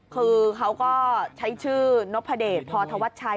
คือเขาก็ใช้ชื่อนพเดชพอธวัชชัย